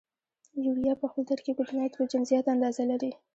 یوریا په خپل ترکیب کې د نایتروجن زیاته اندازه لري.